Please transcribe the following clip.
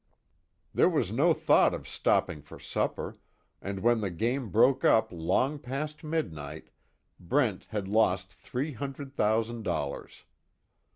There was no thought of stopping for supper, and when the game broke up long past midnight Brent had lost three hundred thousand dollars.